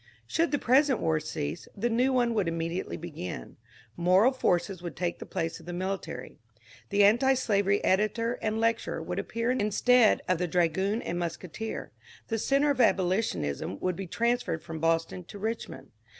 Should the present war cease, the new one would immediately begin ; moral forces would take the place of the military ; the anti slavery editor and lecturer would appear instead of the dra goon and musketeer; the centre of abolitionism would be transferred from Boston to Richmond.